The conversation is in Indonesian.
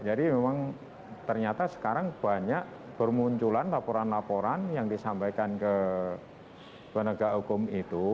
jadi memang ternyata sekarang banyak bermunculan laporan laporan yang disampaikan ke penegak hukum itu